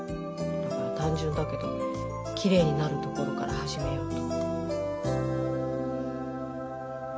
単純だけどきれいになるところから始めようと。